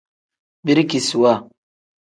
Birikisiwa.